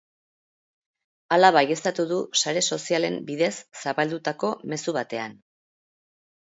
Hala baieztatu du sare sozialen bidez zabaldutako mezu batean.